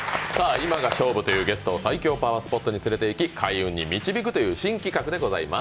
今が勝負というゲストを最強パワースポットに連れていき開運に導くという新企画でございます。